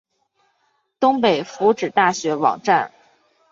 东北福祉大学网站